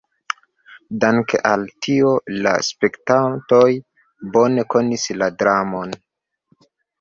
Danke al tio la spektantoj bone konis la dramon.